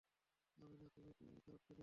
আমি না, তুমি, তুমি খারাপ ছেলে।